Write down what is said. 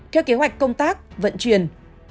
theo kế hoạch công tác vận chuyển